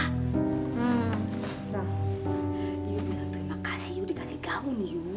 terima kasih dikasih gaun yuk